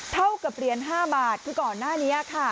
เท่ากับเหรียญ๕บาทคือก่อนหน้านี้ค่ะ